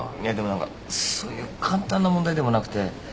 いやでも何かそういう簡単な問題でもなくて。